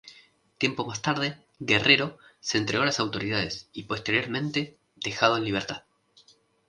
Tiempo más tarde Guerrero se entregó a las autoridades y posteriormente dejado en libertad.